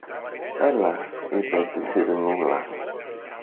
Έλα, είπε της Ειρηνούλας.